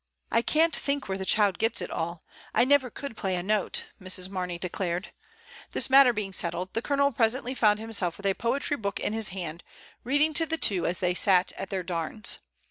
"I can't think where the child gets it all; I never could play a note," Mrs. Mamey declared. This matter being settled, the Colonel presently found himself with a poetry book in his hand, reading to the two as they sat at their darns.